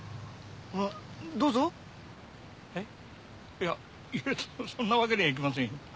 いやそんなわけにはいきませんよ。